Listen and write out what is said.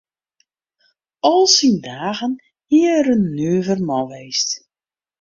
Al syn dagen hie er in nuver man west.